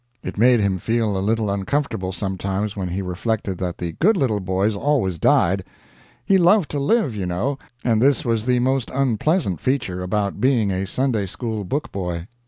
It made him feel a little uncomfortable sometimes when he reflected that the good little boys always died. He loved to live, you know, and this was the most unpleasant feature about being a Sunday school book boy.